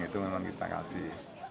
itu memang kita kasih